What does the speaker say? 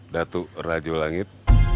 datu rajo langit